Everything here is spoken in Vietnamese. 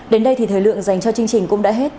đến đây thì thời lượng dành cho chương trình cũng đã hết